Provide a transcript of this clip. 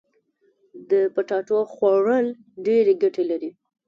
د پټاټو خوړل ډيري ګټي لري.